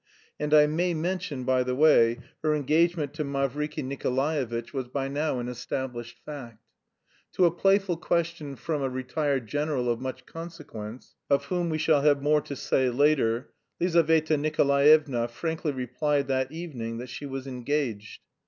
And I may mention, by the way, her engagement to Mavriky Nikolaevitch was by now an established fact. To a playful question from a retired general of much consequence, of whom we shall have more to say later, Lizaveta Nikolaevna frankly replied that evening that she was engaged.